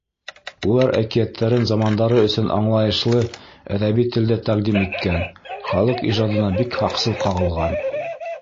Улар әкиәттәрен замандары өсөн аңлайышлы әҙәби телдә тәҡдим иткән, халыҡ ижадына бик һаҡсыл ҡағылған.